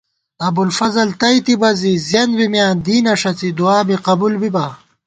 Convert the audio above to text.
ابُوالفضل تئیتِبہ زی زیَنت بی مِیاں دینہ ݭڅی دُعابی قبُول بِبا